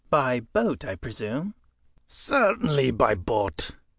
"By boat, I presume?" "Certainly, by boat.